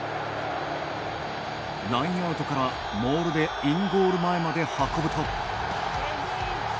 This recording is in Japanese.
ラインアウトから、モールでインゴール前まで運ぶと。